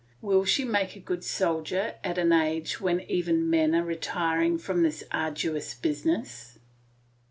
Will she make a good soldier at an age when even men are retiring from this arduous business?